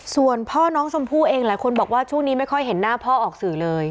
ส่วนพ่อน้องชมพู่เองหลายคนบอกว่าช่วงนี้ไม่ค่อยเห็นหน้าพ่อออกสื่อเลย